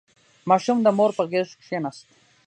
• ماشوم د مور په غېږ کښېناست.